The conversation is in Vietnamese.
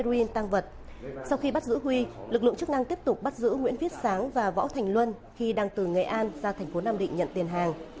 lực lượng chức năng tiếp tục bắt giữ nguyễn viết sáng và võ thành luân khi đang từ nghệ an ra thành phố nam định nhận tiền hàng